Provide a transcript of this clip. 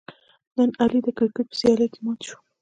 نن علي د کرکیټ په سیالۍ کې مات شو.